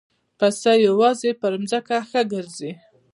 پسه یوازې په ځمکه ښه ګرځي.